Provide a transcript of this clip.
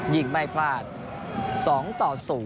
ยิงไม่พลาด๒ต่อ๐